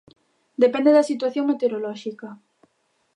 Depende da situación meteorolóxica.